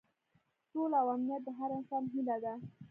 سوله او امنیت د هر انسان هیله ده.